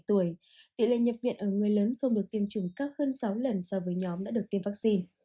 tỷ lệ nhập viện ở người lớn không được tiêm chủng cao hơn sáu lần so với nhóm đã được tiêm vaccine